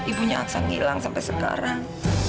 ibunya aksan hilang sampai sekarang